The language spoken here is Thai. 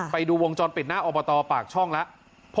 ไปดูวงจรปิดหน้าอบตปากช่องแล้ว